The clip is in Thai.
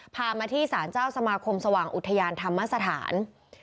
พามาที่สารเจ้าสมาคมสว่างอุทยานธรรมสถาน